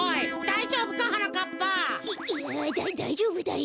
いやだだいじょうぶだよ。